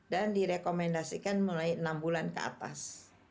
dan direkomendasikan mulai enam bulan ke atas